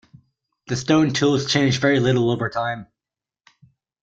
The stone tools changed very little over time.